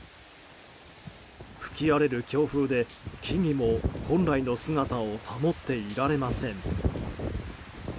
吹き荒れる強風で、木々も本来の姿を保っていられません。